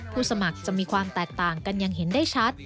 สมัครจะมีความแตกต่างกันอย่างเห็นได้ชัด